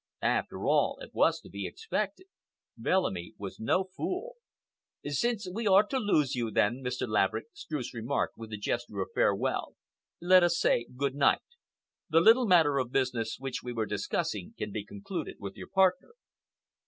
After all, it was to be expected. Bellamy was no fool! "Since we are to lose you, then Mr. Laverick," Streuss remarked with a gesture of farewell, "let us say good night. The little matter of business which we were discussing can be concluded with your partner."